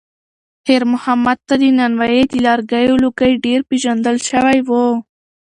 خیر محمد ته د نانوایۍ د لرګیو لوګی ډېر پیژندل شوی و.